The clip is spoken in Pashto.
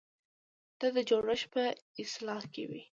دا د جوړښتونو په اصلاح کې وي.